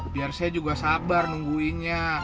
biar saya juga sabar nungguinnya